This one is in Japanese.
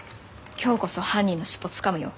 今日こそ犯人の尻尾つかむよ。